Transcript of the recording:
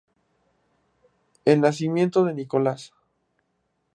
El nacimiento de Nicolás.